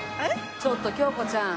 ちょっと恭子ちゃん。